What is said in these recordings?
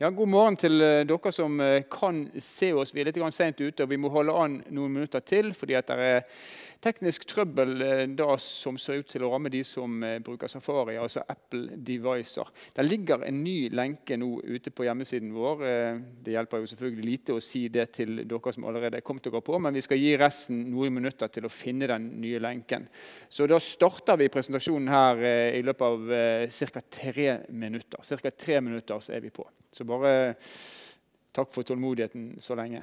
Ja, god morgen til dere som kan se oss. Vi er lite grann sent ute, og vi må holde an noen minutter til fordi at det er teknisk trøbbel da som ser ut til å ramme de som bruker Safari, altså Apple devicer. Det ligger en ny lenke nå ute på hjemmesiden vår. Det hjelper jo selvfølgelig lite å si det til dere som allerede har kommet dere på, men vi skal gi resten noen minutter til å finne den nye lenken. Så da starter vi presentasjonen her i løpet av cirka tre minutter. Cirka tre minutter, så er vi på. Så bare takk for tålmodigheten så lenge!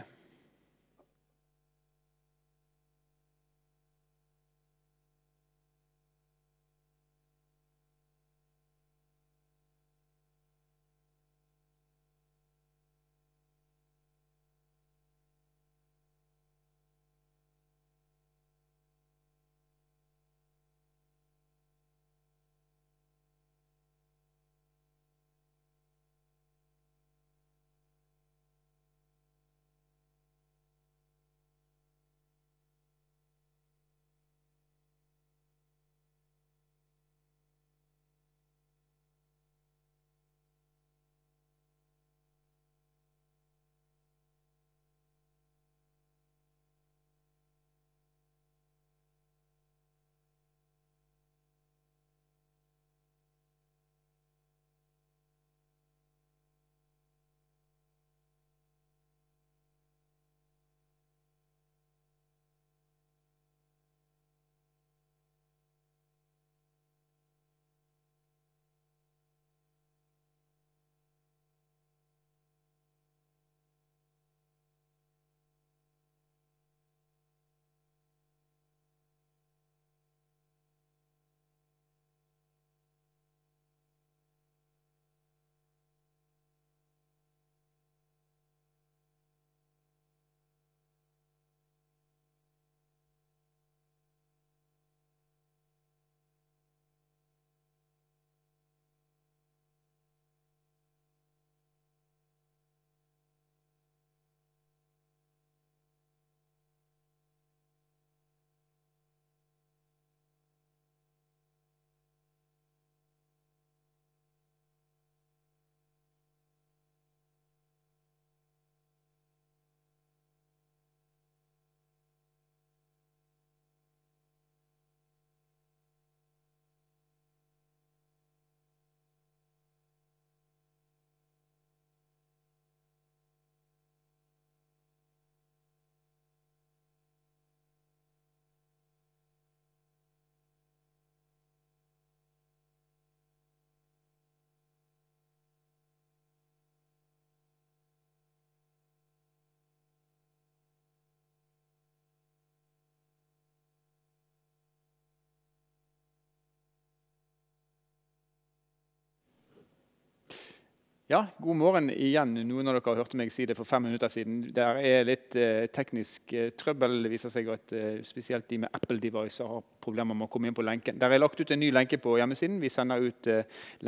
Ja, god morgen igjen! Noen av dere hørte meg si det for fem minutter siden. Det er litt teknisk trøbbel. Det viser seg at spesielt de med Apple device har problemer med å komme inn på lenken. Det er lagt ut en ny lenke på hjemmesiden. Vi sender ut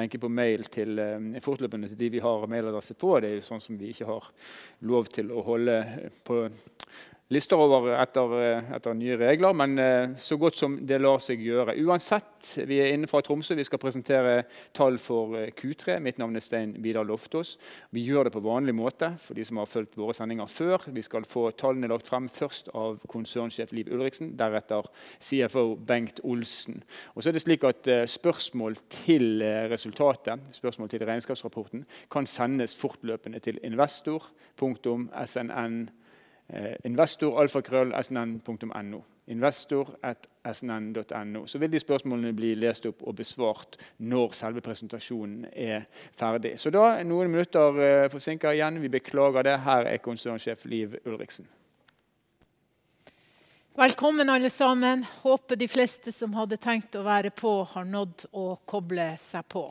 lenke på mail fortløpende til de vi har mailadresse på. Det er sånn som vi ikke har lov til å holde på lister over etter nye regler, men så godt som det lar seg gjøre. Uansett, vi er inne fra Tromsø. Vi skal presentere tall for Q3. Mitt navn er Stein Vidar Lofthus. Vi gjør det på vanlig måte for de som har fulgt våre sendinger før. Vi skal få tallene lagt frem, først av konsernsjef Liv Ulrichsen, deretter CFO Bengt Olsen. Så er det slik at spørsmål til resultatet, spørsmål til regnskapsrapporten kan sendes fortløpende til investor@snn.no. Så vil de spørsmålene bli lest opp og besvart når selve presentasjonen er ferdig. Så da noen minutter forsinket igjen. Vi beklager det. Her er konsernsjef Liv Ulrichsen. Velkommen alle sammen! Håper de fleste som hadde tenkt å være på har nådd å koble seg på.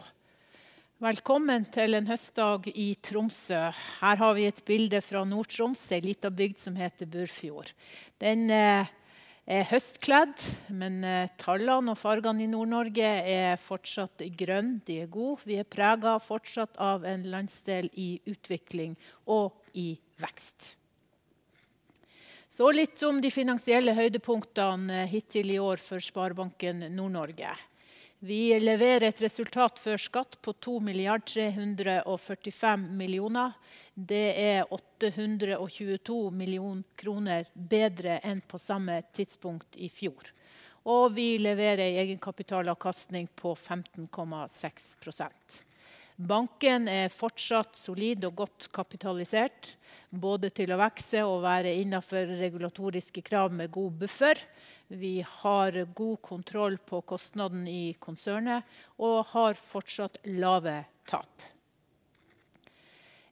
Velkommen til en høstdag i Tromsø. Her har vi et bilde fra Nord-Troms, en lita bygd som heter Burfjord. Den er høstkledd, men tallene og fargene i Nord-Norge er fortsatt grønn. De er god. Vi er preget fortsatt av en landsdel i utvikling og i vekst. Så litt om de finansielle høydepunktene hittil i år for Sparbanken Nord-Norge. Vi leverer et resultat før skatt på NOK 2,345 millioner. Det er NOK 822 millioner bedre enn på samme tidspunkt i fjor. Vi leverer egenkapitalavkastning på 15,6%. Banken er fortsatt solid og godt kapitalisert, både til å vokse og være innenfor regulatoriske krav med god buffer. Vi har god kontroll på kostnadene i konsernet og har fortsatt lave tap.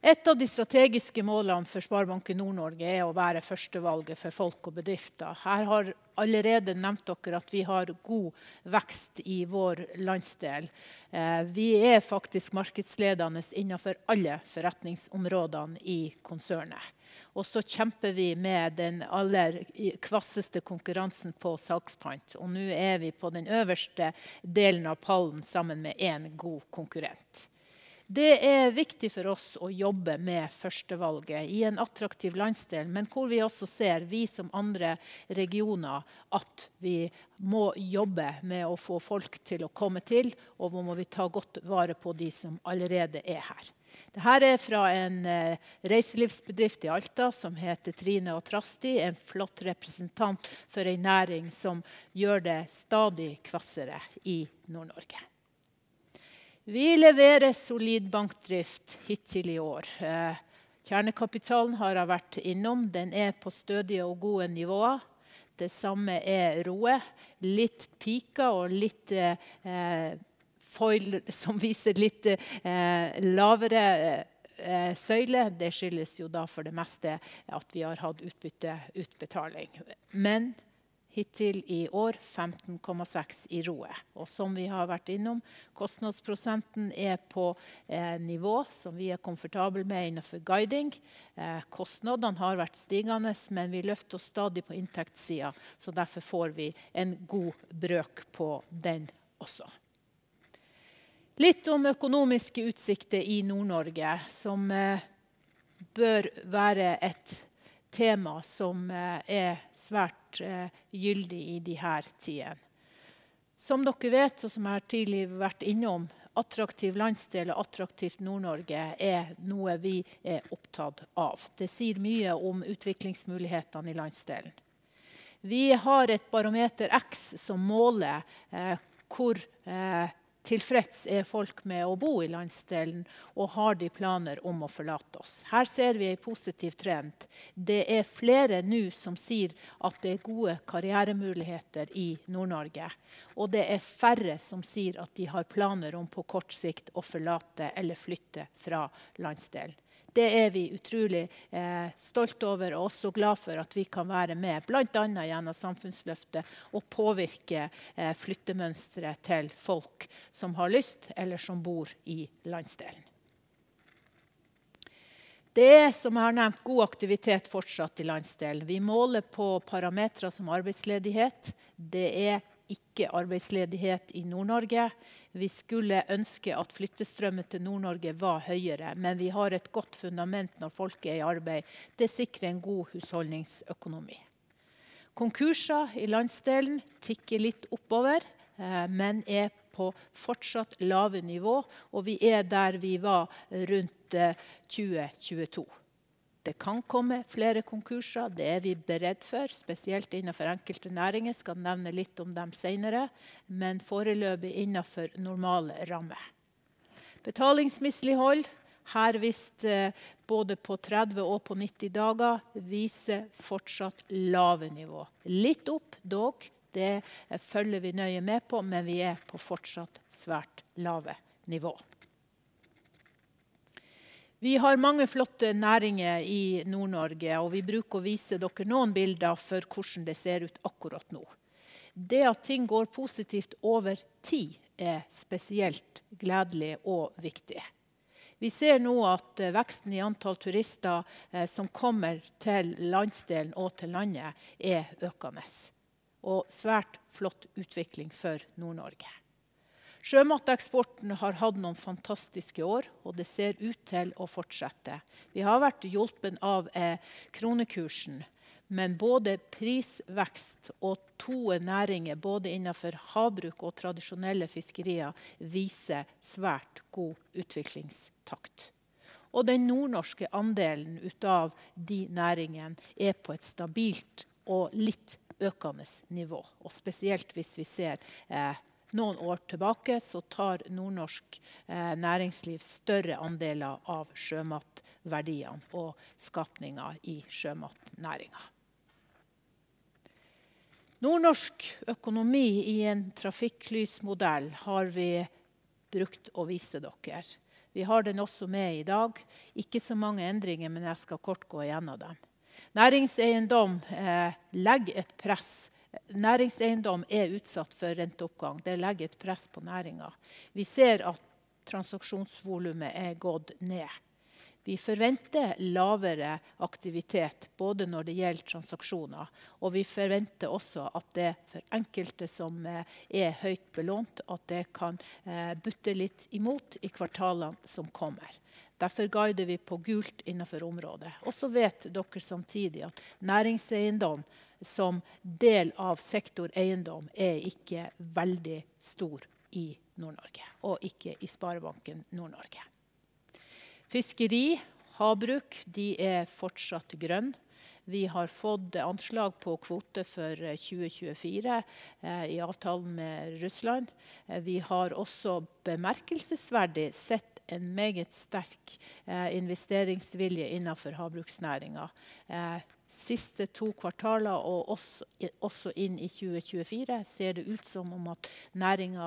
Ett av de strategiske målene for Sparbanken Nord-Norge er å være førstevalget for folk og bedrifter. Her har allerede nevnt dere at vi har god vekst i vår landsdel. Vi er faktisk markedsledende innenfor alle forretningsområdene i konsernet. Så kjemper vi med den aller kvasseste konkurransen på salgspunkt, og nå er vi på den øverste delen av pallen sammen med en god konkurrent. Det er viktig for oss å jobbe med førstevalget i en attraktiv landsdel, men hvor vi også ser vi som andre regioner at vi må jobbe med å få folk til å komme til. Hvor må vi ta godt vare på de som allerede er her. Det her er fra en reiselivsbedrift i Alta som heter Trine og Trasti. En flott representant for en næring som gjør det stadig kvassere i Nord-Norge. Vi leverer solid bankdrift hittil i år. Kjernekapitalen har jeg vært innom. Den er på stødige og gode nivåer. Det samme er ROE. Litt peaker og litt foil som viser litt lavere søyle. Det skyldes jo da for det meste at vi har hatt utbytteutbetaling, men hittil i år, 15,6% i ROE. Som vi har vært innom, kostnadsprosenten er på et nivå som vi er komfortable med innenfor guiding. Kostnadene har vært stigende, men vi løfter oss stadig på inntektssiden, så derfor får vi en god brøk på den også. Litt om økonomiske utsikter i Nord-Norge, som bør være et tema som er svært gyldig i disse tider. Som dere vet, og som jeg tidligere har vært innom, attraktiv landsdel og attraktivt Nord-Norge er noe vi er opptatt av. Det sier mye om utviklingsmulighetene i landsdelen. Vi har et barometer X som måler hvor tilfreds er folk med å bo i landsdelen, og har de planer om å forlate oss? Her ser vi en positiv trend. Det er flere nå som sier at det er gode karrieremuligheter i Nord-Norge, og det er færre som sier at de har planer om på kort sikt å forlate eller flytte fra landsdelen. Det er vi utrolig stolt over, og også glad for at vi kan være med, blant annet gjennom samfunnsløftet, og påvirke flyttemønsteret til folk som har lyst eller som bor i landsdelen. Det som jeg har nevnt, god aktivitet fortsatt i landsdelen. Vi måler på parametre som arbeidsledighet. Det er ikke arbeidsledighet i Nord-Norge. Vi skulle ønske at flyttestrømmen til Nord-Norge var høyere, men vi har et godt fundament når folket er i arbeid. Det sikrer en god husholdningsøkonomi. Konkurser i landsdelen tikker litt oppover, men er på fortsatt lave nivå, og vi er der vi var rundt 2022. Det kan komme flere konkurser. Det er vi beredt for, spesielt innenfor enkelte næringer. Skal nevne litt om dem senere, men foreløpig innenfor normale rammer. Betalingsmislighold, her vist både på 30 og på 90 dager, viser fortsatt lave nivåer. Litt opp dog. Det følger vi nøye med på, men vi er på fortsatt svært lave nivåer. Vi har mange flotte næringer i Nord-Norge, og vi bruker å vise dere noen bilder for hvordan det ser ut akkurat nå. Det at ting går positivt over tid er spesielt gledelig og viktig. Vi ser nå at veksten i antall turister som kommer til landsdelen og til landet, er økende og svært flott utvikling for Nord-Norge. Sjømateksporten har hatt noen fantastiske år, og det ser ut til å fortsette. Vi har vært hjulpet av kronekursen, men både prisvekst og to næringer, både innenfor havbruk og tradisjonelle fiskerier, viser svært god utviklingstakt. Den nordnorske andelen ut av de næringene er på et stabilt og litt økende nivå. Spesielt hvis vi ser noen år tilbake, så tar nordnorsk næringsliv større andeler av sjømatverdiene og skapningen i sjømatnæringen. Nordnorsk økonomi i en trafikklysmodell har vi brukt å vise dere. Vi har den også med i dag. Ikke så mange endringer, men jeg skal kort gå gjennom dem. Næringseiendom legger et press. Næringseiendom er utsatt for renteoppgang. Det legger et press på næringen. Vi ser at transaksjonsvolumet er gått ned. Vi forventer lavere aktivitet både når det gjelder transaksjoner, og vi forventer også at det for enkelte som er høyt belånt, at det kan butte litt i mot i kvartalene som kommer. Derfor guider vi på gult innenfor området. Og så vet dere samtidig at næringseiendom som del av sektor eiendom er ikke veldig stor i Nord-Norge og ikke i Sparebanken Nord-Norge. Fiskeri, havbruk. De er fortsatt grønn. Vi har fått anslag på kvoter for 2024 i avtalen med Russland. Vi har også bemerkelsesverdig sett en meget sterk investeringsvilje innenfor havbruksnæringen. De siste to kvartalene, og også inn i 2024, ser det ut som om at næringen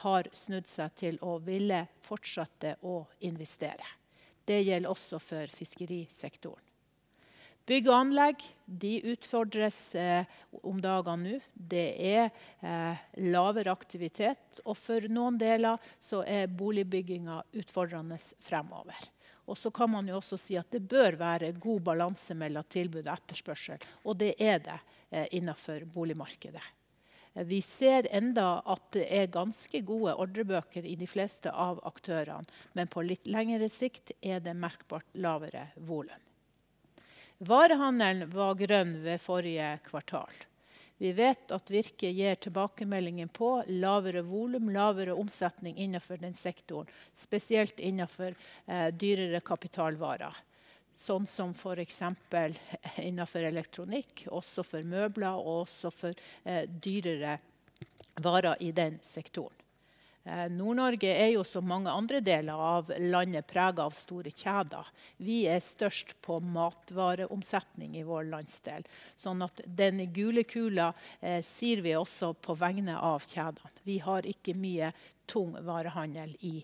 har snudd seg til å ville fortsette å investere. Det gjelder også for fiskerisektoren. Bygg og anlegg. De utfordres om dagen nå. Det er lavere aktivitet, og for noen deler så er boligbyggingen utfordrende fremover. Og så kan man jo også si at det bør være god balanse mellom tilbud og etterspørsel. Og det er det innenfor boligmarkedet. Vi ser enda at det er ganske gode ordrebøker i de fleste av aktørene, men på litt lengre sikt er det merkbart lavere volum. Varehandelen var grønn ved forrige kvartal. Vi vet at Virke gir tilbakemeldinger på lavere volum, lavere omsetning innenfor den sektoren, spesielt innenfor dyrere kapitalvarer, sånn som for eksempel innenfor elektronikk, også for møbler og også for dyrere varer i den sektoren. Nord-Norge er jo som mange andre deler av landet, preget av store kjeder. Vi er størst på matvareomsetning i vår landsdel. Sånn at den gule kula sier vi også på vegne av kjedene. Vi har ikke mye tung varehandel i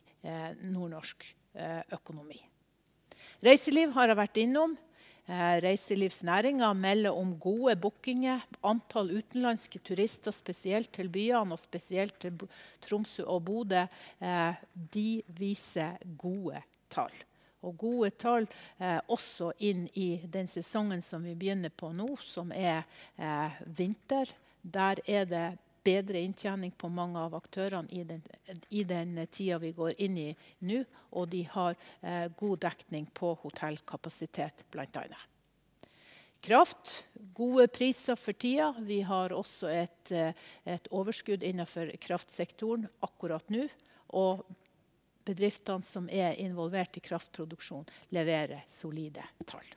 nordnorsk økonomi. Reiseliv har jeg vært innom. Reiselivsnæringen melder om gode bookinger. Antall utenlandske turister, spesielt til byene og spesielt til Tromsø og Bodø, de viser gode tall, og gode tall også inn i den sesongen som vi begynner på nå, som er vinter. Der er det bedre inntjening på mange av aktørene i den tiden vi går inn i nå, og de har god dekning på hotellkapasitet, blant annet. Kraft. Gode priser for tiden. Vi har også et overskudd innenfor kraftsektoren akkurat nå, og bedriftene som er involvert i kraftproduksjon leverer solide tall.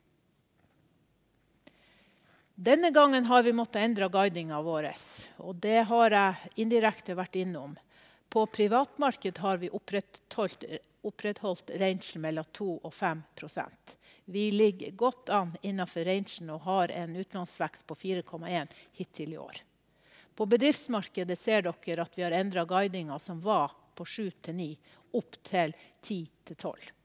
Denne gangen har vi måttet endre guidingen vår, og det har jeg indirekte vært innom. På privatmarkedet har vi opprettholdt rangen mellom 2% og 5%. Vi ligger godt an innenfor rangen og har en utlånsvekst på 4,1% hittil i år. På bedriftsmarkedet ser dere at vi har endret guidingen, som var på 7% til 9%, opp til 10% til 12%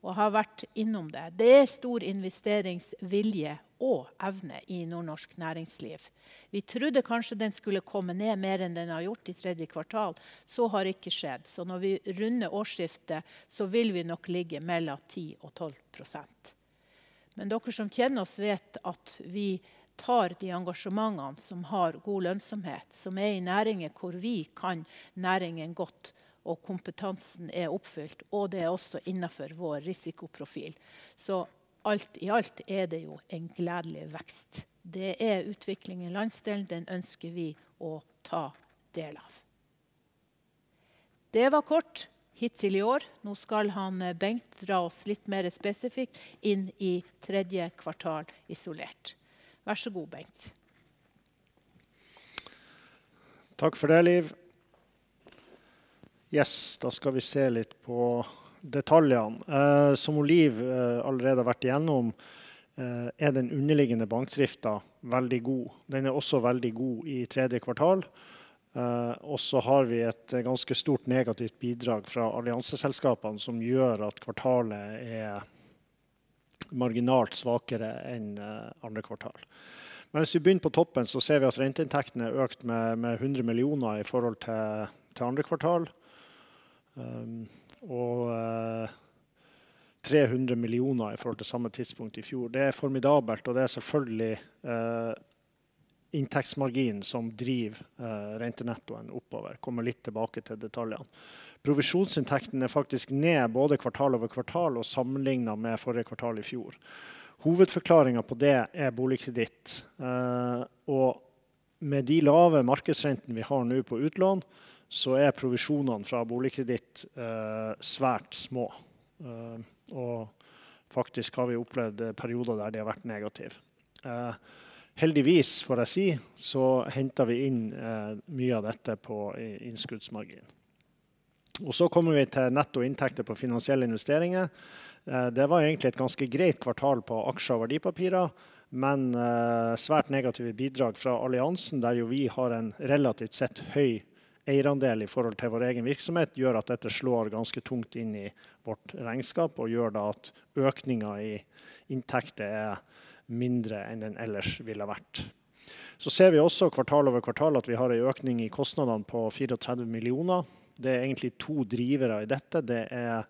og har vært innom det. Det er stor investeringsvilje og evne i nordnorsk næringsliv. Vi trodde kanskje den skulle komme ned mer enn den har gjort i tredje kvartal. Så har ikke skjedd, så når vi runder årsskiftet så vil vi nok ligge mellom 10% og 12%. Men dere som kjenner oss, vet at vi tar de engasjementene som har god lønnsomhet, som er i næringer hvor vi kan næringen godt, og kompetansen er oppfylt. Det er også innenfor vår risikoprofil. Alt i alt er det jo en gledelig vekst. Det er utvikling i landsdelen. Den ønsker vi å ta del av. Det var kort hittil i år. Nå skal han Bengt dra oss litt mer spesifikt inn i tredje kvartal isolert. Vær så god, Bengt! Takk for det, Liv! Yes, da skal vi se litt på detaljene. Som Liv allerede har vært igjennom, er den underliggende bankdriften veldig god. Den er også veldig god i tredje kvartal. Så har vi et ganske stort negativt bidrag fra allianseselskapene, som gjør at kvartalet er marginalt svakere enn andre kvartal. Men hvis vi begynner på toppen, så ser vi at renteinntektene økt med hundre millioner i forhold til andre kvartal. Tre hundre millioner i forhold til samme tidspunkt i fjor. Det er formidabelt, og det er selvfølgelig inntektsmarginen som driver rentenettoen oppover. Kommer litt tilbake til detaljene. Provisjonsinntektene er faktisk ned både kvartal over kvartal og sammenlignet med forrige kvartal i fjor. Hovedforklaringen på det er boligkreditt, og med de lave markedsrentene vi har nå på utlån, så er provisjonene fra boligkreditt svært små. Og faktisk har vi opplevd perioder der det har vært negativt. Heldigvis får jeg si, så henter vi inn mye av dette på innskuddsmargin. Så kommer vi til netto inntekter på finansielle investeringer. Det var egentlig et ganske greit kvartal på aksjer og verdipapirer, men svært negative bidrag fra alliansen, der jo vi har en relativt sett høy eierandel i forhold til vår egen virksomhet, gjør at dette slår ganske tungt inn i vårt regnskap, og gjør da at økningen i inntekter er mindre enn den ellers ville ha vært. Så ser vi også kvartal over kvartal at vi har en økning i kostnadene på fire og tretti millioner. Det er egentlig to drivere i dette. Det er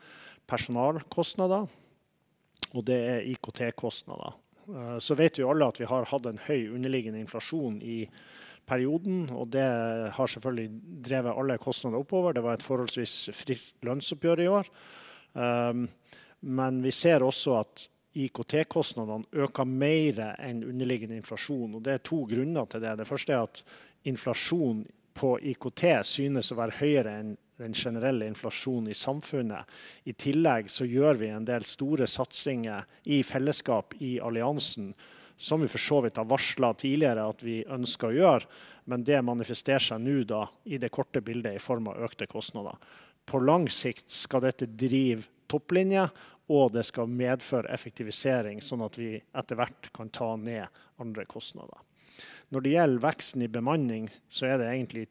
personalkostnader, og det er IKT kostnader. Så vet vi jo alle at vi har hatt en høy underliggende inflasjon i perioden, og det har selvfølgelig drevet alle kostnader oppover. Det var et forholdsvis fritt lønnsoppgjør i år, men vi ser også at IKT-kostnadene øker mer enn underliggende inflasjon. Og det er to grunner til det. Det første er at inflasjon på IKT synes å være høyere enn den generelle inflasjonen i samfunnet. I tillegg så gjør vi en del store satsinger i fellesskap i alliansen, som vi for så vidt har varslet tidligere at vi ønsker å gjøre. Men det manifesterer seg nå da i det korte bildet i form av økte kostnader. På lang sikt skal dette drive topplinjen, og det skal medføre effektivisering sånn at vi etter hvert kan ta ned andre kostnader. Når det gjelder veksten i bemanning, så er det egentlig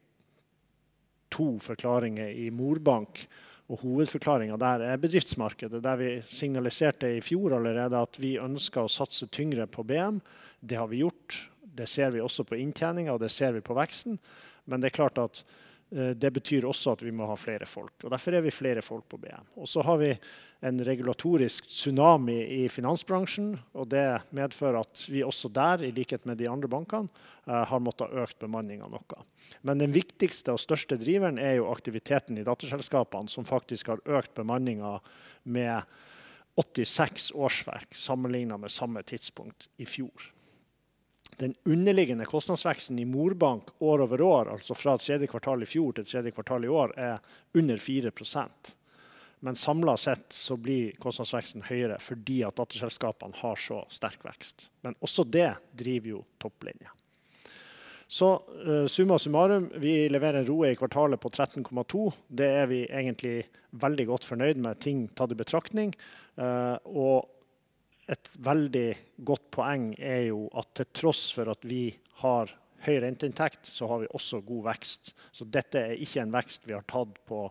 to forklaringer i morbank. Og hovedforklaringen der er bedriftsmarkedet, der vi signaliserte i fjor allerede at vi ønsket å satse tyngre på BM. Det har vi gjort. Det ser vi også på inntjeningen, og det ser vi på veksten. Men det er klart at det betyr også at vi må ha flere folk, og derfor er vi flere folk på BM. Og så har vi en regulatorisk tsunami i finansbransjen, og det medfører at vi også der, i likhet med de andre bankene, har måttet økt bemanningen noe. Men den viktigste og største driveren er jo aktiviteten i datterselskapene, som faktisk har økt bemanningen med 86 årsverk sammenlignet med samme tidspunkt i fjor. Den underliggende kostnadsveksten i Morbank år over år, altså fra tredje kvartal i fjor til tredje kvartal i år, er under 4%. Men samlet sett så blir kostnadsveksten høyere fordi at datterselskapene har så sterk vekst. Men også det driver jo topplinjen. Så summa summarum, vi leverer en ROE i kvartalet på 13,2. Det er vi egentlig veldig godt fornøyd med, ting tatt i betraktning. Et veldig godt poeng er jo at til tross for at vi har høy renteinntekt, så har vi også god vekst. Så dette er ikke en vekst vi har tatt på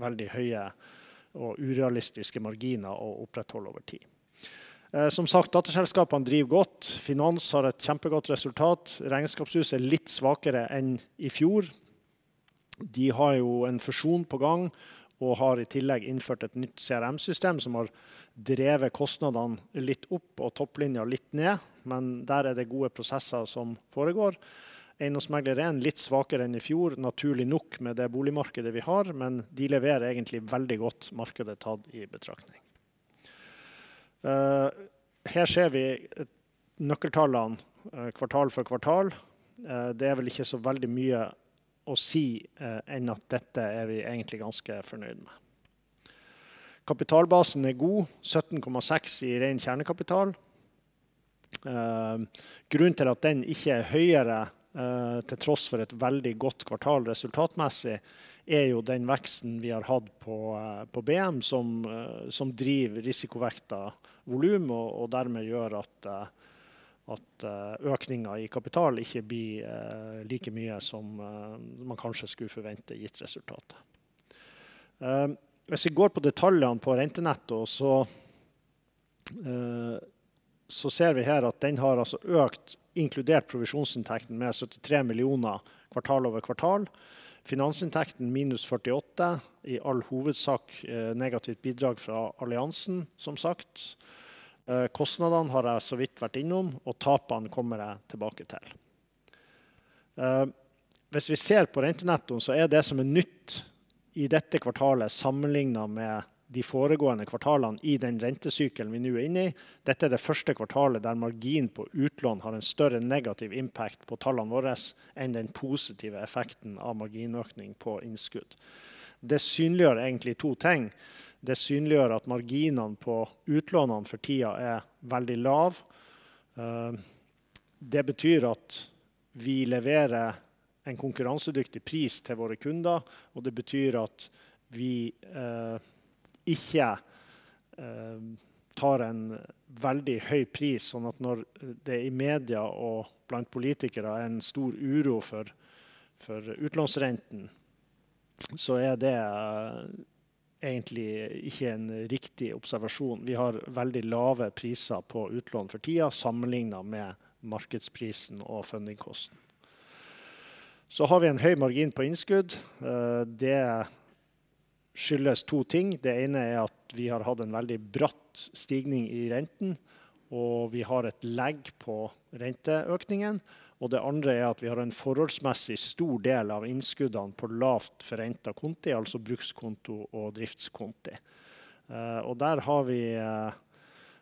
veldig høye og urealistiske marginer å opprettholde over tid. Som sagt, datterselskapene driver godt. Finans har et kjempegodt resultat. Regnskapshus er litt svakere enn i fjor. De har jo en fusjon på gang og har i tillegg innført et nytt CRM system som har drevet kostnadene litt opp og topplinjen litt ned. Men der er det gode prosesser som foregår. Eiendomsmegler er litt svakere enn i fjor. Naturlig nok med det boligmarkedet vi har, men de leverer egentlig veldig godt, markedet tatt i betraktning. Her ser vi nøkkeltallene kvartal for kvartal. Det er vel ikke så veldig mye å si, enn at dette er vi egentlig ganske fornøyd med. Kapitalbasen er god, 17,6 i ren kjernekapital. Grunnen til at den ikke er høyere, til tross for et veldig godt kvartal resultatmessig, er jo den veksten vi har hatt på BM, som driver risikovektet volum, og dermed gjør at økningen i kapital ikke blir like mye som man kanskje skulle forvente gitt resultatet. Hvis vi går på detaljene på rente netto, så ser vi her at den har altså økt, inkludert provisjonsinntektene med 73 millioner kvartal over kvartal. Finansinntektene minus 48 i all hovedsak negativt bidrag fra alliansen, som sagt. Kostnadene har jeg så vidt vært innom, og tapene kommer jeg tilbake til. Hvis vi ser på rente netto, så er det som er nytt i dette kvartalet sammenlignet med de foregående kvartalene i den rente syklusen vi nå er inne i. Dette er det første kvartalet der marginen på utlån har en større negativ impact på tallene våres enn den positive effekten av margin økning på innskudd. Det synliggjør egentlig to ting. Det synliggjør at marginene på utlånene for tiden er veldig lav. Det betyr at vi leverer en konkurransedyktig pris til våre kunder, og det betyr at vi ikke tar en veldig høy pris. Sånn at når det er i media og blant politikere er en stor uro for utlånsrenten, så er det egentlig ikke en riktig observasjon. Vi har veldig lave priser på utlån for tiden, sammenlignet med markedsprisen og fundingkosten. Så har vi en høy margin på innskudd. Det skyldes to ting. Det ene er at vi har hatt en veldig bratt stigning i renten, og vi har et legg på renteøkningen. Det andre er at vi har en forholdsmessig stor del av innskuddene på lavt forrentet konti, altså brukskonto og driftskonti. Der har vi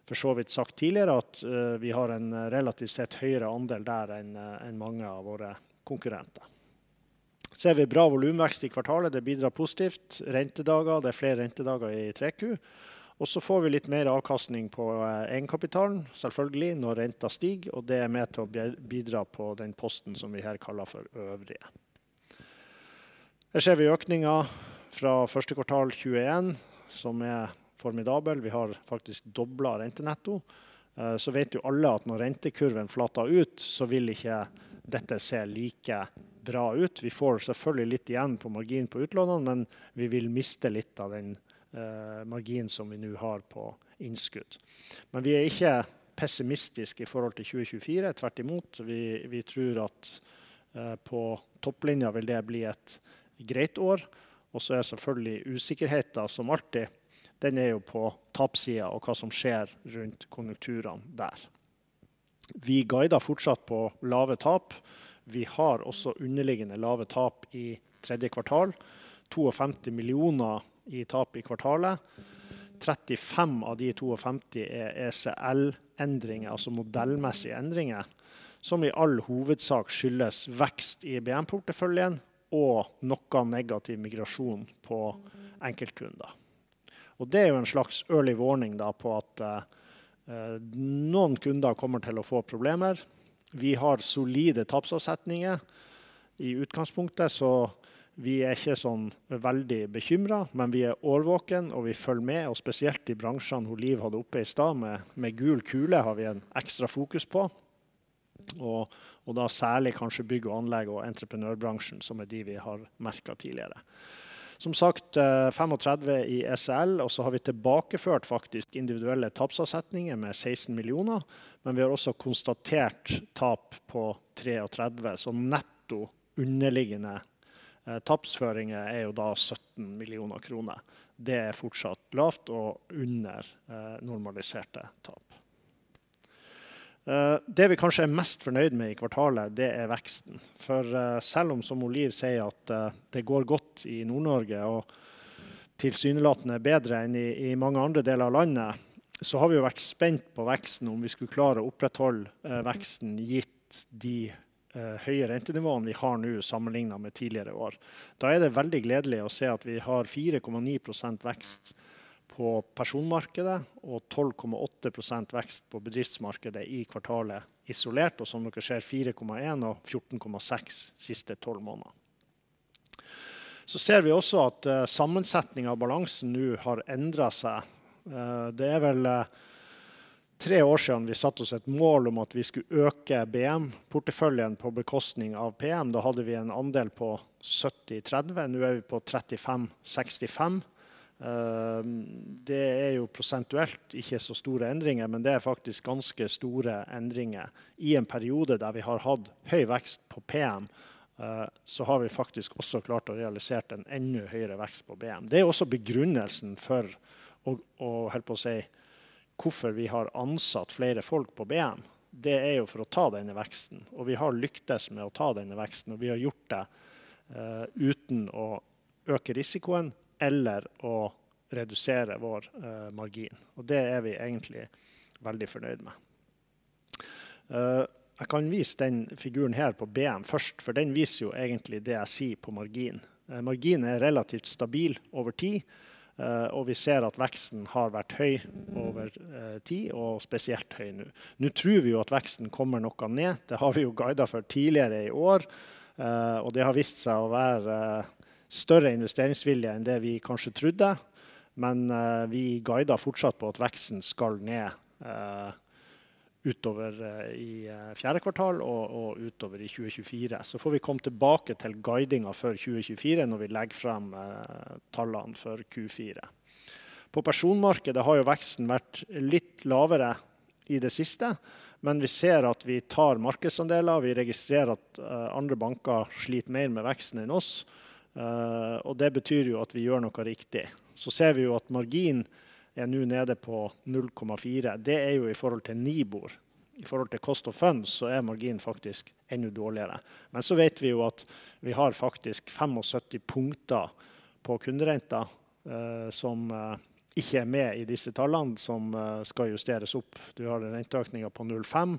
for så vidt sagt tidligere at vi har en relativt sett høyere andel der enn mange av våre konkurrenter. Vi ser bra volumvekst i kvartalet. Det bidrar positivt. Rentedager, det er flere rentedager i Q3. Vi får litt mer avkastning på egenkapitalen, selvfølgelig når renten stiger, og det er med til å bidra på den posten som vi her kaller for øvrige. Her ser vi økningen fra første kvartal 2021, som er formidabel. Vi har faktisk doblet rentenetto. Alle vet jo at når rentekurven flater ut, så vil ikke dette se like bra ut. Vi får selvfølgelig litt igjen på margin på utlånene, men vi vil miste litt av den marginen som vi nå har på innskudd. Men vi er ikke pessimistisk i forhold til 2024. Tvert imot, vi tror at på topplinjen vil det bli et greit år. Så er selvfølgelig usikkerheten som alltid, den er jo på tapssiden og hva som skjer rundt konjunkturene der. Vi guider fortsatt på lave tap. Vi har også underliggende lave tap i tredje kvartal. 250 millioner i tap i kvartalet. 35 av de 250 er ECL endringer, altså modellmessige endringer som i all hovedsak skyldes vekst i BM porteføljen og noe negativ migrasjon på enkeltkunder. Det er jo en slags early warning da, på at noen kunder kommer til å få problemer. Vi har solide tapsavsetninger i utgangspunktet, så vi er ikke så veldig bekymret. Men vi er årvåken og vi følger med. Spesielt i bransjene hvor Liv hadde oppe i stad med gul kule har vi en ekstra fokus på. Da særlig kanskje bygg og anlegg og entreprenørbransjen, som er de vi har merket tidligere. Som sagt 35 i ECL. Så har vi tilbakeført faktisk individuelle tapsavsetninger med 16 millioner. Men vi har også konstatert tap på 33. Så netto underliggende tapsføringer er jo da 17 millioner kroner. Det er fortsatt lavt og under normaliserte tap. Det vi kanskje er mest fornøyd med i kvartalet, det er veksten. For selv om som Olive sier, at det går godt i Nord-Norge og tilsynelatende bedre enn i mange andre deler av landet, så har vi jo vært spent på veksten. Om vi skulle klare å opprettholde veksten gitt de høye rentenivåene vi har nå sammenlignet med tidligere år, da er det veldig gledelig å se at vi har 4,9% vekst på personmarkedet og 12,8% vekst på bedriftsmarkedet i kvartalet isolert. Og som dere ser, 4,1% og 14,6% siste tolv måneder. Så ser vi også at sammensetningen av balansen nå har endret seg. Det er vel tre år siden vi satte oss et mål om at vi skulle øke BM-porteføljen på bekostning av PM. Da hadde vi en andel på 70/30. Nå er vi på 35/65. Det er jo prosentuelt ikke så store endringer, men det er faktisk ganske store endringer. I en periode der vi har hatt høy vekst på PM, så har vi faktisk også klart å realisere en enda høyere vekst på BM. Det er også begrunnelsen for, og holdt på å si, hvorfor vi har ansatt flere folk på BM. Det er jo for å ta denne veksten, og vi har lyktes med å ta denne veksten, og vi har gjort det uten å øke risikoen eller å redusere vår margin. Det er vi egentlig veldig fornøyd med. Jeg kan vise den figuren her på BM først, for den viser jo egentlig det jeg sier på margin. Marginen er relativt stabil over tid, og vi ser at veksten har vært høy over tid og spesielt høy nå. Nå tror vi jo at veksten kommer noe ned. Det har vi jo guidet for tidligere i år, og det har vist seg å være større investeringsvilje enn det vi kanskje trodde. Men vi guider fortsatt på at veksten skal ned utover i fjerde kvartal og utover i 2024. Får vi komme tilbake til guidingen for 2024 når vi legger fram tallene for Q4. På personmarkedet har jo veksten vært litt lavere i det siste, men vi ser at vi tar markedsandeler. Vi registrerer at andre banker sliter mer med veksten enn oss, og det betyr jo at vi gjør noe riktig. Ser vi jo at marginen er nå nede på 0,4. Det er jo i forhold til Nibor. I forhold til cost of funds så er marginen faktisk enda dårligere. Men vet vi jo at vi har faktisk 570 punkter på kunderenter, som ikke er med i disse tallene som skal justeres opp. Du har en renteøkning på 0,5%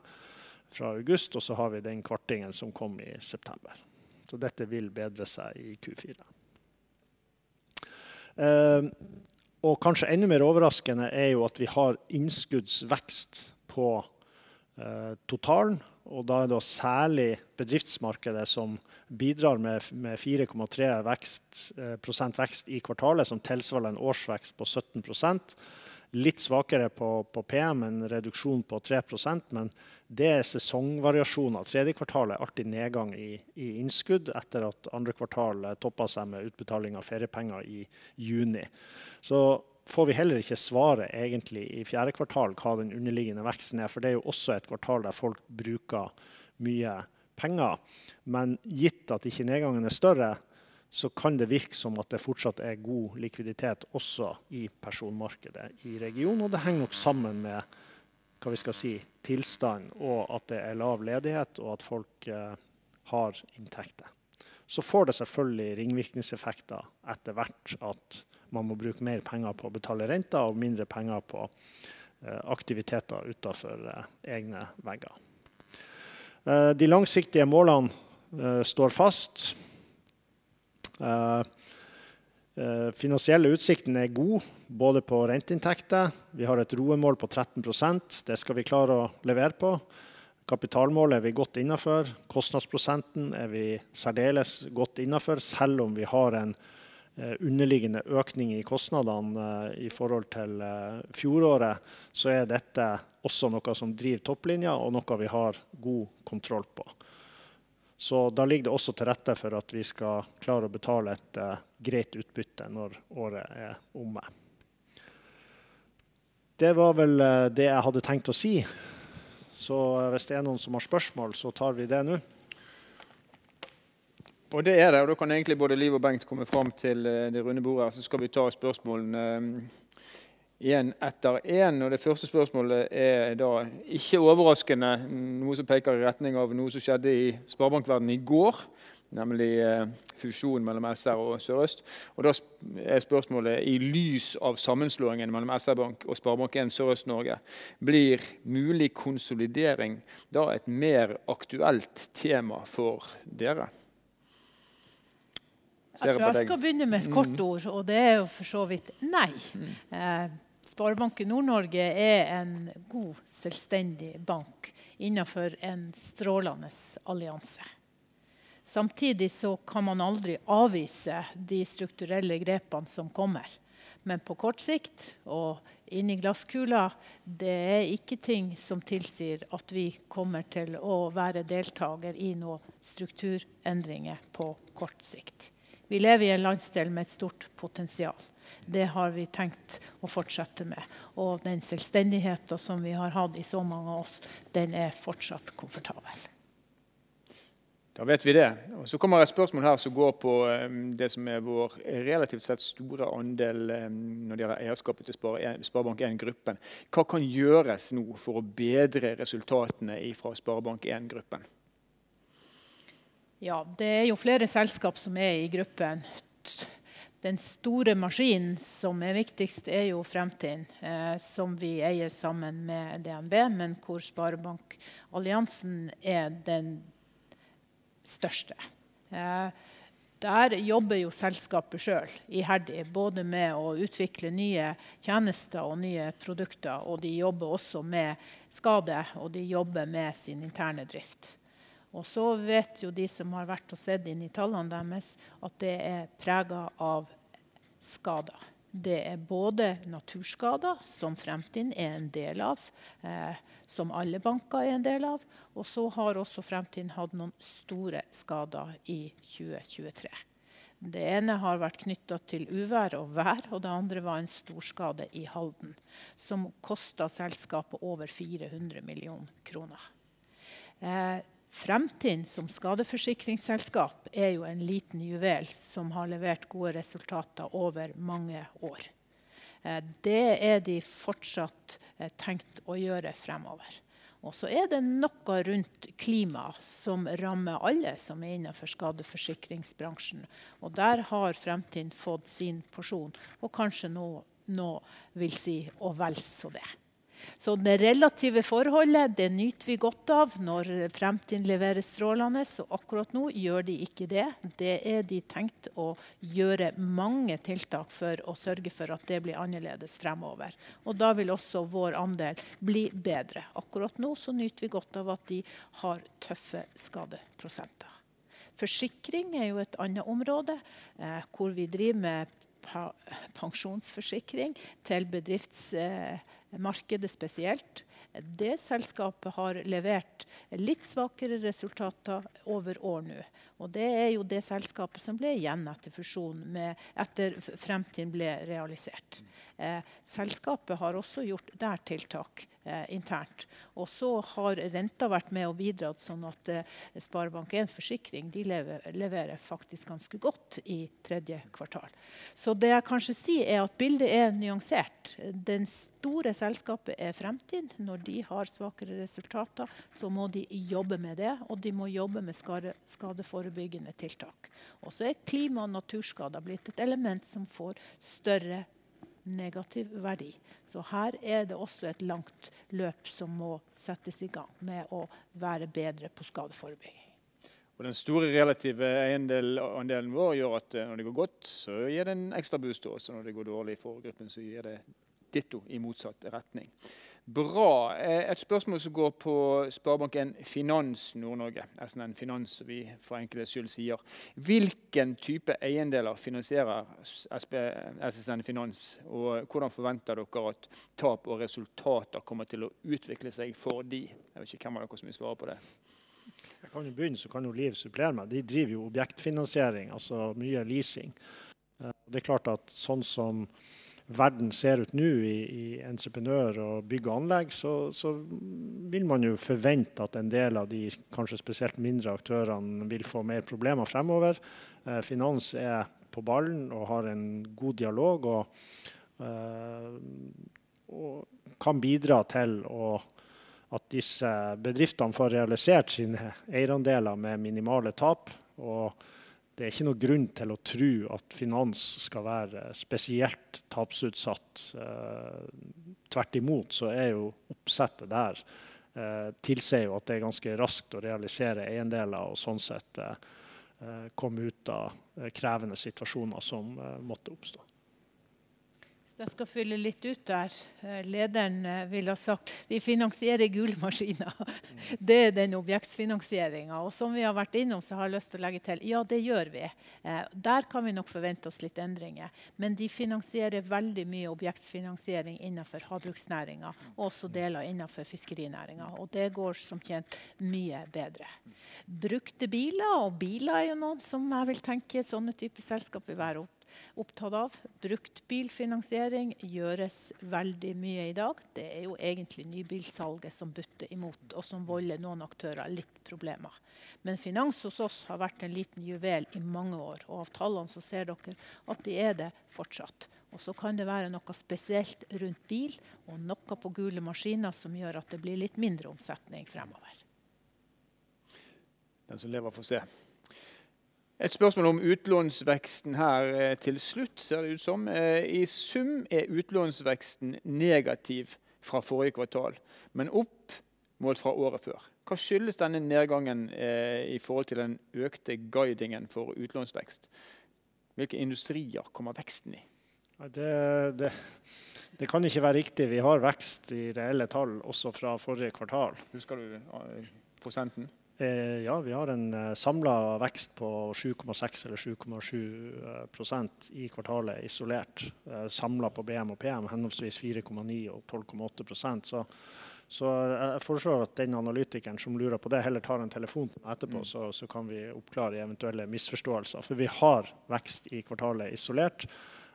fra august, og så har vi den kvartingen som kom i september, så dette vil bedre seg i Q4. Og kanskje enda mer overraskende er jo at vi har innskuddsvekst på totalen, og da er det særlig bedriftsmarkedet som bidrar med 4,3% vekst i kvartalet, som tilsvarer en årsvekst på 17%. Litt svakere på PM, en reduksjon på 3%. Men det er sesongvariasjoner. Tredje kvartal er alltid nedgang i innskudd etter at andre kvartal topper seg med utbetaling av feriepenger i juni. Så får vi heller ikke svaret egentlig i fjerde kvartal hva den underliggende veksten er, for det er jo også et kvartal der folk bruker mye penger. Men gitt at ikke nedgangen er større, så kan det virke som at det fortsatt er god likviditet også i personmarkedet i regionen. Det henger nok sammen med, hva vi skal si, tilstand og at det er lav ledighet og at folk har inntekter. Får det selvfølgelig ringvirkningseffekter etter hvert at man må bruke mer penger på å betale renter og mindre penger på aktiviteter utenfor egne vegger. De langsiktige målene står fast. Finansielle utsiktene er god både på renteinntekter. Vi har et ROE mål på 13%. Det skal vi klare å levere på. Kapitalmålet er vi godt innenfor. Kostnadsprosenten er vi særdeles godt innenfor. Selv om vi har en underliggende økning i kostnadene i forhold til fjoråret, så er dette også noe som driver topplinjen og noe vi har god kontroll på. Da ligger det også til rette for at vi skal klare å betale et greit utbytte når året er omme. Det var vel det jeg hadde tenkt å si. Hvis det er noen som har spørsmål, så tar vi det nå. Og det er det, og da kan egentlig både Liv og Bengt komme frem til det runde bordet her, så skal vi ta spørsmålene en etter en. Og det første spørsmålet er da ikke overraskende noe som peker i retning av noe som skjedde i sparbankverdenen i går, nemlig fusjonen mellom SR og Sørøst. Og da er spørsmålet: i lys av sammenslåingen mellom SR Bank og Sparebank en Sørøst-Norge, blir mulig konsolidering da et mer aktuelt tema for dere? Jeg tror jeg skal begynne med et kort ord, og det er jo for så vidt nei. Sparebanken Nord-Norge er en god, selvstendig bank innenfor en strålende allianse. Samtidig så kan man aldri avvise de strukturelle grepene som kommer. Men på kort sikt og inn i glasskula, det er ikke ting som tilsier at vi kommer til å være deltager i noen strukturendringer på kort sikt. Vi lever i en landsdel med et stort potensial. Det har vi tenkt å fortsette med, og den selvstendigheten som vi har hatt i så mange år, den er fortsatt komfortabel. Da vet vi det. Så kommer et spørsmål her som går på det som er vår relativt sett store andel når det gjelder eierskapet til Spare, SpareBank 1 Gruppen. Hva kan gjøres nå for å bedre resultatene fra SpareBank 1 Gruppen? Ja, det er jo flere selskap som er i gruppen. Den store maskinen som er viktigst er jo Fremtind, som vi eier sammen med DNB, men hvor Sparebankalliansen er den største. Der jobber jo selskapet selv iherdig både med å utvikle nye tjenester og nye produkter. De jobber også med skade, og de jobber med sin interne drift. Så vet jo de som har vært og sett inn i tallene deres, at det er preget av skader. Det er både naturskader, som Fremtind er en del av, som alle banker er en del av. Så har også Fremtind hatt noen store skader i 2023. Det ene har vært knyttet til uvær og vær, og det andre var en storskade i Halden som kostet selskapet over 400 millioner kroner. Fremtind som skadeforsikringsselskap er jo en liten juvel som har levert gode resultater over mange år. Det er de fortsatt tenkt å gjøre fremover. Så er det noe rundt klima som rammer alle som er innenfor skadeforsikringsbransjen, og der har Fremtind fått sin porsjon og kanskje noe vil si, og vel så det. Det relative forholdet, det nyter vi godt av når Fremtind leverer strålende. Akkurat nå gjør de ikke det. Det er de tenkt å gjøre mange tiltak for å sørge for at det blir annerledes fremover, og da vil også vår andel bli bedre. Akkurat nå så nyter vi godt av at de har tøffe skadeprosenter. Forsikring er jo et annet område, hvor vi driver med pensjonsforsikring til bedriftsmarkedet spesielt. Det selskapet har levert litt svakere resultater over år nå, og det er jo det selskapet som ble igjen etter fusjonen med, etter Fremtind ble realisert. Selskapet har også gjort der tiltak internt. Og så har renta vært med og bidratt sånn at Sparebank en Forsikring de lever, leverer faktisk ganske godt i tredje kvartal. Det jeg kanskje si er at bildet er nyansert. Det store selskapet er Fremtind. Når de har svakere resultater, så må de jobbe med det, og de må jobbe med skade, skadeforebyggende tiltak. Klima og naturskader blitt et element som får større negativ verdi. Her er det også et langt løp som må settes i gang med å være bedre på skadeforebygging. Og den store relative eiendel andelen vår gjør at når det går godt, så gir det en ekstra boost, og når det går dårlig i foretaket gruppen, så gir det ditto i motsatt retning. Bra! Et spørsmål som går på Sparebanken Finans Nord-Norge, SNN Finans, som vi for enkelhets skyld sier. Hvilken type eiendeler finansierer SNN Finans, og hvordan forventer dere at tap og resultater kommer til å utvikle seg for de? Jeg vet ikke hvem av dere som vil svare på det. Jeg kan jo begynne, så kan jo Olive supplere meg. De driver jo objektfinansiering, altså mye leasing. Det er klart at sånn som verden ser ut nå i entreprenør og bygg og anlegg, så vil man jo forvente at en del av de kanskje spesielt mindre aktørene vil få mer problemer fremover. Finans er på ballen og har en god dialog og kan bidra til at disse bedriftene får realisert sine eierandeler med minimale tap. Det er ikke noen grunn til å tro at finans skal være spesielt tapsutsatt. Tvert imot så er jo oppsettet der, tilser jo at det er ganske raskt å realisere eiendeler og sånn sett komme ut av krevende situasjoner som måtte oppstå. Hvis jeg skal fylle litt ut der. Lederen vil ha sagt: Vi finansierer gule maskiner. Det er den objektfinansieringen og som vi har vært innom, så har jeg lyst å legge til. Ja, det gjør vi. Der kan vi nok forvente oss litt endringer. Men de finansierer veldig mye objektfinansiering innenfor havbruksnæringen og også deler innenfor fiskerinæringen. Det går som kjent mye bedre. Brukte biler og biler er noe som jeg vil tenke i sånne type selskap vil være opptatt av. Bruktbilfinansiering gjøres veldig mye i dag. Det er jo egentlig nybilsalget som butter imot og som volder noen aktører litt problemer. Men finans hos oss har vært en liten juvel i mange år, og av tallene så ser dere at de er det fortsatt. Så kan det være noe spesielt rundt bil og noe på gule maskiner som gjør at det blir litt mindre omsetning fremover. Den som lever får se. Et spørsmål om utlånsveksten her til slutt ser det ut som. I sum er utlånsveksten negativ fra forrige kvartal, men opp målt fra året før. Hva skyldes denne nedgangen i forhold til den økte guidingen for utlånsvekst? Hvilke industrier kommer veksten i? Nei, det kan ikke være riktig. Vi har vekst i reelle tall også fra forrige kvartal. Husker du prosenten? Ja, vi har en samlet vekst på 7,6% eller 7,7% i kvartalet, isolert samlet på BM og PM, henholdsvis 4,9% og 12,8%. Jeg foreslår at den analytikeren som lurer på det heller tar en telefon til meg etterpå, så kan vi oppklare eventuelle misforståelser. For vi har vekst i kvartalet isolert.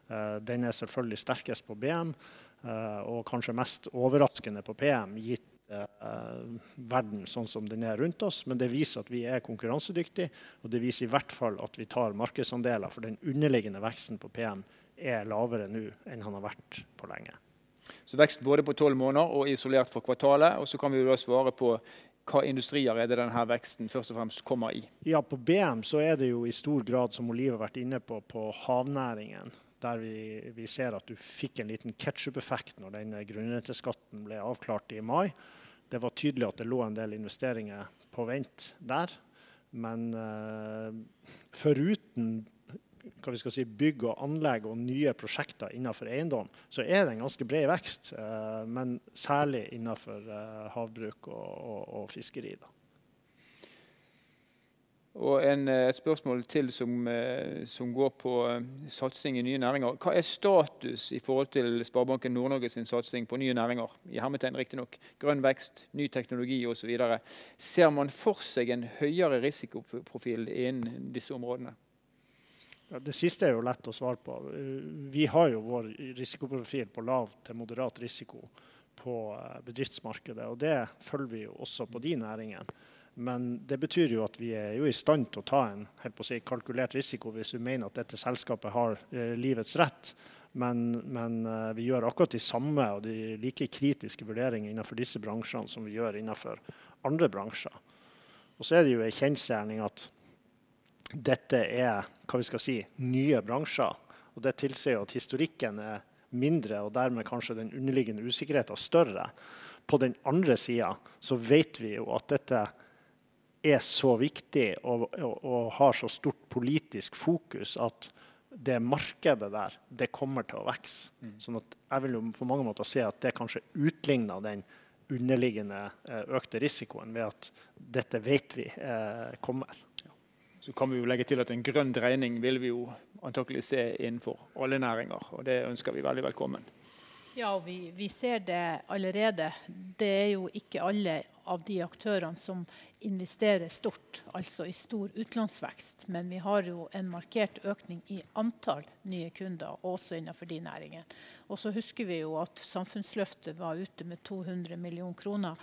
Den er selvfølgelig sterkest på BM og kanskje mest overraskende på PM, gitt verden sånn som den er rundt oss. Men det viser at vi er konkurransedyktig, og det viser i hvert fall at vi tar markedsandeler. For den underliggende veksten på PM er lavere nå enn den har vært på lenge. Vekst både på tolv måneder og isolert fra kvartalet. Og så kan vi jo også svare på hva industrier er det den her veksten først og fremst kommer i? Ja, på BM så er det jo i stor grad som Olive har vært inne på på havnæringen, der vi ser at du fikk en liten ketchupeffekt når den grunnrenteskatten ble avklart i mai. Det var tydelig at det lå en del investeringer på vent der. Men foruten hva vi skal si, bygg og anlegg og nye prosjekter innenfor eiendom, så er det en ganske bred vekst, men særlig innenfor havbruk og fiskeri da. Og et spørsmål til som går på satsing i nye næringer. Hva er status i forhold til Sparbanken Nord-Norge sin satsing på nye næringer i hermetegn riktignok, grønn vekst, ny teknologi og så videre. Ser man for seg en høyere risikoprofil innen disse områdene? Ja, det siste er jo lett å svare på. Vi har jo vår risikoprofil på lav til moderat risiko på bedriftsmarkedet, og det følger vi jo også på de næringene. Men det betyr jo at vi er jo i stand til å ta en, holdt jeg på å si, kalkulert risiko hvis vi mener at dette selskapet har livets rett. Men vi gjør akkurat de samme og de like kritiske vurderingene innenfor disse bransjene som vi gjør innenfor andre bransjer. Og så er det jo en kjensgjerning at dette er hva vi skal si, nye bransjer, og det tilsier at historikken er mindre og dermed kanskje den underliggende usikkerheten større. På den andre siden så vet vi jo at dette er så viktig og har så stort politisk fokus at det markedet der, det kommer til å vokse. Sånn at jeg vil jo på mange måter si at det kanskje utligner den underliggende økte risikoen ved at dette vet vi kommer. Kan vi jo legge til at en grønn dreining vil vi jo antakelig se innenfor alle næringer, og det ønsker vi veldig velkommen. Ja, vi ser det allerede. Det er jo ikke alle av de aktørene som investerer stort, altså i stor utlånsvekst. Men vi har jo en markert økning i antall nye kunder, også innenfor de næringene. Så husker vi jo at Samfunnsløftet var ute med 200 millioner kroner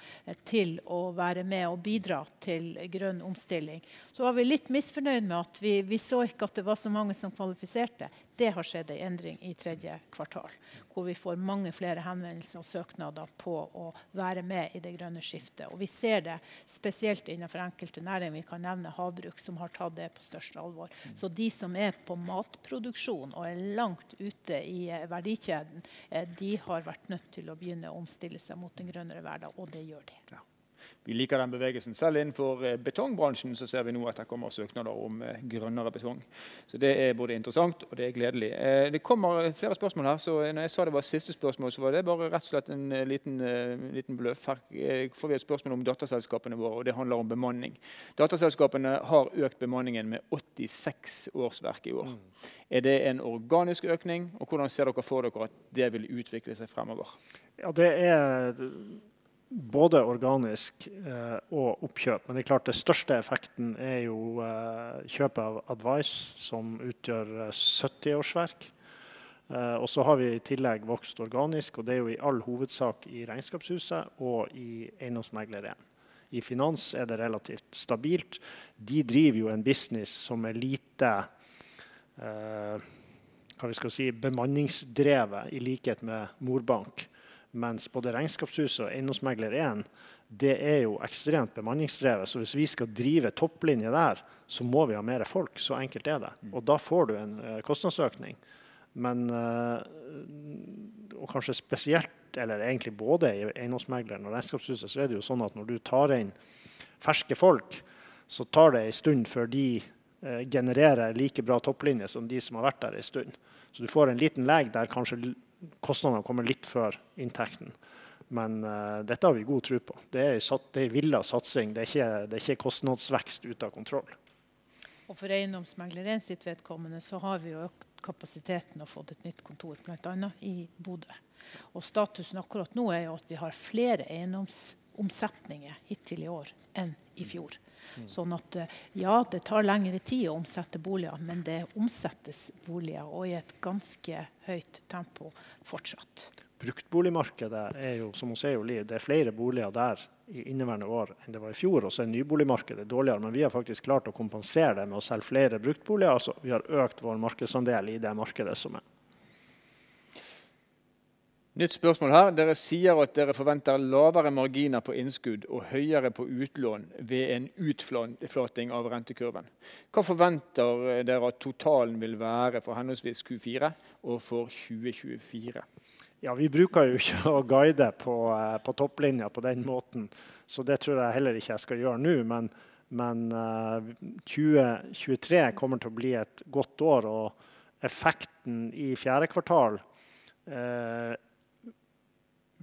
til å være med og bidra til grønn omstilling. Så var vi litt misfornøyd med at vi så ikke at det var så mange som kvalifiserte. Det har skjedd en endring i tredje kvartal, hvor vi får mange flere henvendelser og søknader på å være med i det grønne skiftet. Vi ser det spesielt innenfor enkelte næringer. Vi kan nevne havbruk, som har tatt det på største alvor. De som er på matproduksjon og er langt ute i verdikjeden, de har vært nødt til å begynne å omstille seg mot en grønnere hverdag. Det gjør de. Vi liker den bevegelsen. Selv innenfor betongbransjen så ser vi nå at det kommer søknader om grønnere betong. Så det er både interessant og det er gledelig. Det kommer flere spørsmål her, så når jeg sa det var siste spørsmål, så var det bare rett og slett en liten bløff. Her får vi et spørsmål om datterselskapene våre, og det handler om bemanning. Datterselskapene har økt bemanningen med 86 årsverk i år. Er det en organisk økning? Hvordan ser dere for dere at det vil utvikle seg fremover? Ja, det er både organisk og oppkjøp. Men det er klart, den største effekten er jo kjøpet av Advice, som utgjør sytti årsverk. Og så har vi i tillegg vokst organisk, og det er jo i all hovedsak i Regnskapshuset og i Eiendomsmegler 1. I finans er det relativt stabilt. De driver jo en business som er lite, hva vi skal si, bemanningsdrevet i likhet med mor bank. Mens både Regnskapshuset og Eiendomsmegler 1, det er jo ekstremt bemanningsdrevet, så hvis vi skal drive topplinje der, så må vi ha mer folk. Så enkelt er det. Og da får du en kostnadsøkning. Men, og kanskje spesielt eller egentlig både i eiendomsmegleren og regnskapshuset, så er det jo sånn at når du tar inn ferske folk, så tar det en stund før de genererer like bra topplinje som de som har vært der en stund. Så du får en liten lag der kanskje kostnadene kommer litt før inntekten. Men dette har vi god tro på. Det er en villet satsing. Det er ikke kostnadsvekst ut av kontroll. Og for Eiendomsmegler 1 sitt vedkommende så har vi jo økt kapasiteten og fått et nytt kontor, blant annet i Bodø. Og statusen akkurat nå er jo at vi har flere eiendomsomsetninger hittil i år enn i fjor. Sånn at ja, det tar lengre tid å omsette boliger, men det omsettes boliger og i et ganske høyt tempo fortsatt. Bruktboligmarkedet er jo, som hun sier, jo liv. Det er flere boliger der i inneværende år enn det var i fjor. Og så er nyboligmarkedet dårligere. Men vi har faktisk klart å kompensere det med å selge flere bruktboliger. Altså, vi har økt vår markedsandel i det markedet som er. Nytt spørsmål her: dere sier at dere forventer lavere marginer på innskudd og høyere på utlån ved en utflating av rentekurven. Hva forventer dere at totalen vil være for henholdsvis Q4 og for 2024? Ja, vi bruker jo ikke å guide på topplinjen på den måten, så det tror jeg heller ikke jeg skal gjøre nå. Men 2023 kommer til å bli et godt år, og effekten i fjerde kvartal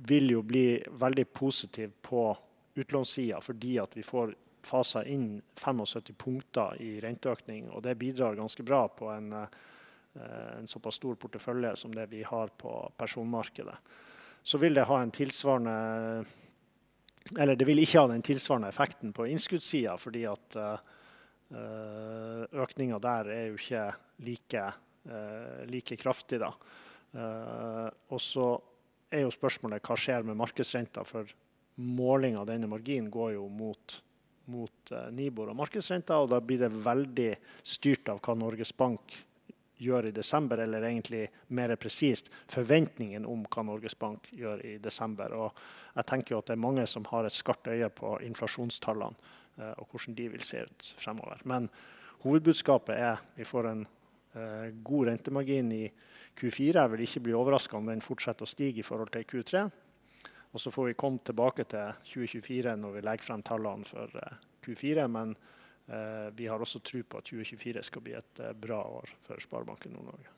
vil jo bli veldig positiv på utlånssiden fordi at vi får faset inn 75 punkter i renteøkning, og det bidrar ganske bra på en såpass stor portefølje som det vi har på personmarkedet. Så vil det ha en tilsvarende, eller det vil ikke ha den tilsvarende effekten på innskuddssiden, fordi at økningen der er jo ikke like kraftig da. Og så er jo spørsmålet hva skjer med markedsrenten? For måling av denne marginen går jo mot NIBOR og markedsrenten, og da blir det veldig styrt av hva Norges Bank gjør i desember. Eller egentlig mer presist, forventningen om hva Norges Bank gjør i desember. Og jeg tenker at det er mange som har et skarpt øye på inflasjonstallene og hvordan de vil se ut fremover. Men hovedbudskapet er: vi får en god rentemargin i Q4. Jeg vil ikke bli overrasket om den fortsetter å stige i forhold til i Q3, og så får vi komme tilbake til 2024 når vi legger frem tallene for Q4. Men vi har også tro på at 2024 skal bli et bra år for Sparebanken Nord-Norge.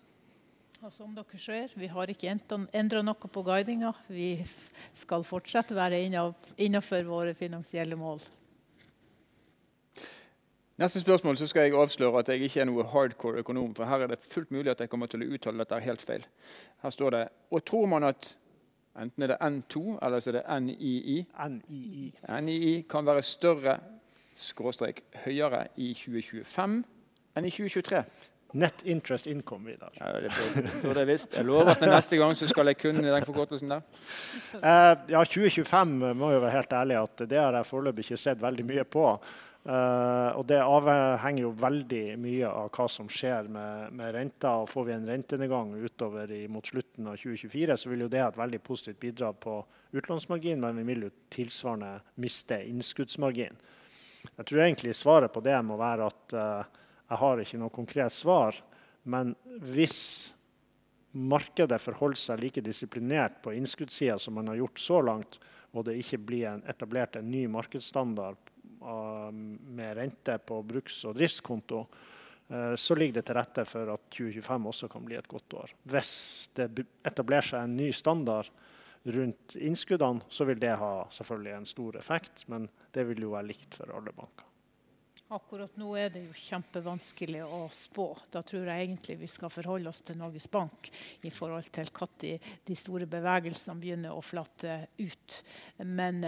Og som dere ser, vi har ikke endret noe på guidingen. Vi skal fortsette å være innenfor våre finansielle mål. Neste spørsmål, så skal jeg avsløre at jeg ikke er noe hardcore økonom, for her er det fullt mulig at jeg kommer til å uttale dette helt feil. Her står det: og tror man at enten er det N2 eller så er det NII? NII. NII kan være større/høyere i 2025 enn i 2023. Net interest income, Vidar. Ja, for det visst. Jeg lover at neste gang så skal jeg kunne den forkortelsen der. Ja, 2025 må jeg være helt ærlig at det har jeg foreløpig ikke sett veldig mye på. Det avhenger jo veldig mye av hva som skjer med renten. Får vi en rentenedgang utover mot slutten av 2024, så vil jo det ha et veldig positivt bidrag på utlånsmarginen, men vi vil jo tilsvarende miste innskuddsmargin. Jeg tror egentlig svaret på det må være at jeg har ikke noe konkret svar. Men hvis markedet forholder seg like disiplinert på innskuddssiden som man har gjort så langt, og det ikke blir etablert en ny markedsstandard med rente på bruks- og driftskonto, så ligger det til rette for at 2025 også kan bli et godt år. Hvis det etablerer seg en ny standard rundt innskuddene, så vil det ha selvfølgelig en stor effekt, men det vil jo være likt for alle banker. Akkurat nå er det jo kjempevanskelig å spå. Da tror jeg egentlig vi skal forholde oss til Norges Bank i forhold til når de store bevegelsene begynner å flate ut. Men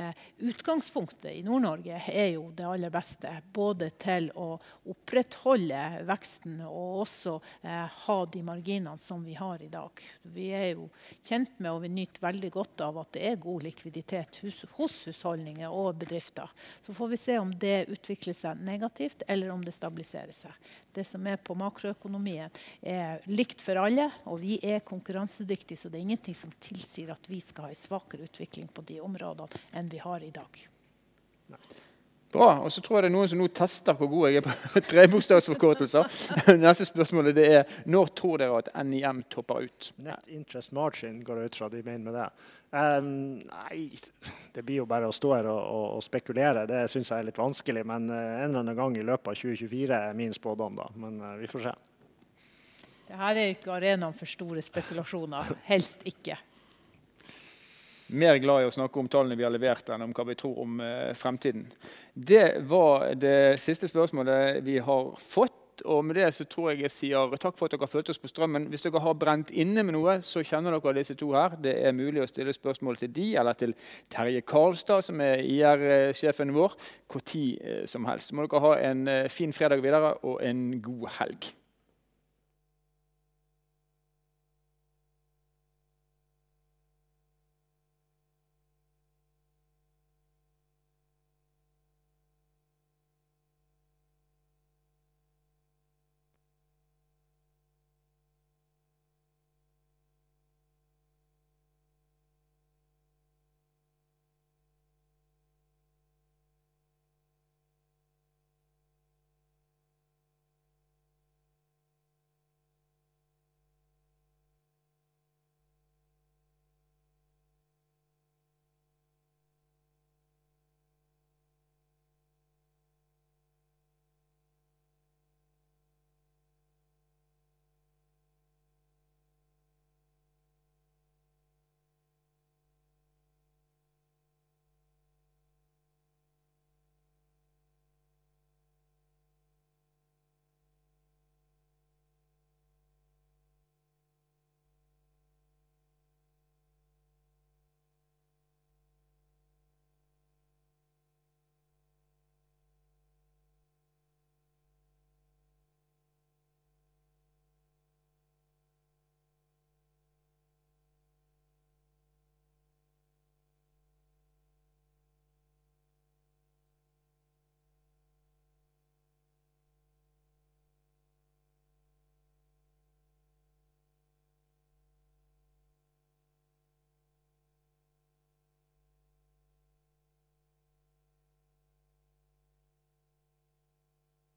utgangspunktet i Nord-Norge er jo det aller beste, både til å opprettholde veksten og også ha de marginene som vi har i dag. Vi er jo kjent med, og vi nyter veldig godt av at det er god likviditet hos husholdninger og bedrifter. Så får vi se om det utvikler seg negativt eller om det stabiliserer seg. Det som er på makroøkonomien er likt for alle, og vi er konkurransedyktige, så det er ingenting som tilsier at vi skal ha en svakere utvikling på de områdene enn vi har i dag. Bra! Og så tror jeg det er noen som nå tester hvor god jeg er på tre bokstavs forkortelser. Det neste spørsmålet det er, når tror dere at NIM topper ut? Net interest margin, går jeg ut fra de mener med det. Nei, det blir jo bare å stå her og spekulere. Det synes jeg er litt vanskelig. Men en eller annen gang i løpet av 2024 er min spådom da. Men vi får se. Det her er ikke arenaen for store spekulasjoner. Helst ikke. Mer glad i å snakke om tallene vi har levert enn om hva vi tror om fremtiden. Det var det siste spørsmålet vi har fått, og med det så tror jeg jeg sier takk for at dere fulgte oss på strømmen. Hvis dere har brent inne med noe, så kjenner dere disse to her. Det er mulig å stille spørsmål til de eller til Terje Karlstad, som er IR-sjefen vår, når tid som helst. Så må dere ha en fin fredag videre og en god helg!